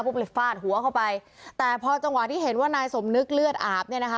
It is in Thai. ก็เลยฟาดหัวเข้าไปแต่พอจังหวะที่เห็นว่านายสมนึกเลือดอาบเนี่ยนะคะ